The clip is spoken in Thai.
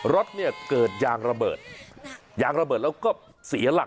รถเนี่ยเกิดเหตุก่อนถึงวัดคลองเมืองจังหวัดพิศนุโลก